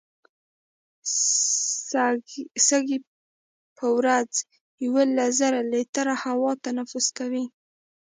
سږي په ورځ یوولس زره لیټره هوا تنفس کوي.